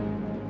saya tidak mau